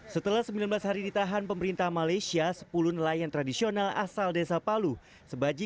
setelah sembilan belas hari ditahan pemerintah malaysia sepuluh nelayan tradisional asal desa palu sebaji